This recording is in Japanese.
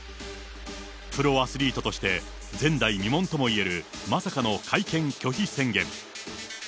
プロアスリートとして前代未聞ともいえるまさかの会見拒否宣言。